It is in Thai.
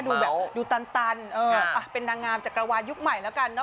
ดูแบบดูตันตันเป็นนางงามจักรวาลยุคใหม่แล้วกันเนอ